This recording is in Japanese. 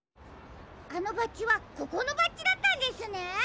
あのバッジはここのバッジだったんですね。